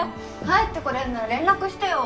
帰って来れるなら連絡してよ。